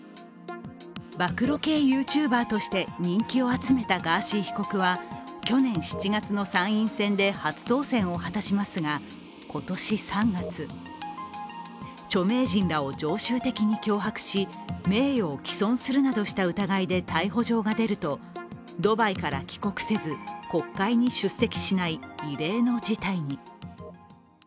暴露系ＹｏｕＴｕｂｅｒとして人気を集めたガーシー被告は去年７月の参院選で初当選を果たしますが今年３月、著名人らを常習的に脅迫し名誉を毀損するなどした疑いで逮捕状が出ると、ドバイから帰国せず国会に出席しない異例の事態に。